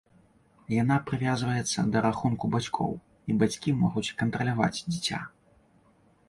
Яна прывязваецца да рахунку бацькоў, і бацькі могуць кантраляваць дзіця.